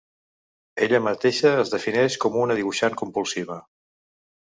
Ella mateixa es defineix com una dibuixant compulsiva.